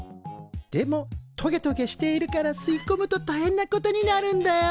でもトゲトゲしているから吸いこむとたいへんなことになるんだよ。